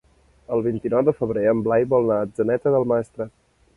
El vint-i-nou de febrer en Blai vol anar a Atzeneta del Maestrat.